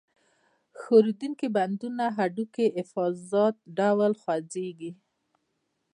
ښورېدونکي بندونه هډوکي یې په آزاد ډول خوځېږي.